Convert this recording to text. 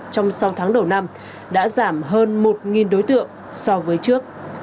trong sáu tháng đầu năm đã giảm hơn một đối tượng so với trước